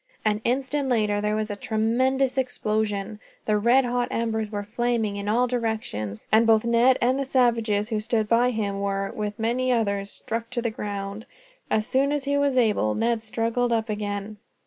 An instant later there was a tremendous explosion. The red hot embers were flaming in all directions, and both Ned and the savages who stood by him were, with many others, struck to the ground. As soon as he was able, Ned struggled up again.